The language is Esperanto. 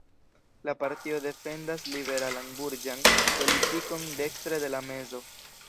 La partio defendas liberalan burĝan politikon dekstre de la mezo.